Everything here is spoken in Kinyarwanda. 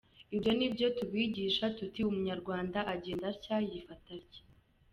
Ibyo nibyo tubigisha tuti ‘umunyarwanda agenda atya, yifata atya’.